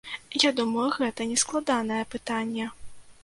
Я думаю, гэта нескладанае пытанне.